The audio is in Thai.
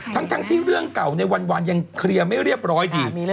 ทั้งที่เรื่องเก่าในวันยังเคลียร์ไม่เรียบร้อยดี